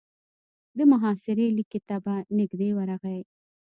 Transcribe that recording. د محاصرې ليکې ته به نږدې ورغی.